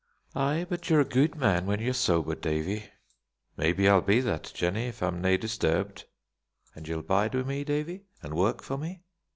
"Ay, but ye're a guid man when ye're sober, Davie." "Maybe I'll be that, Jennie, if I'm nae disturbed." "An' ye'll bide wi' me, Davie, an' work for me?"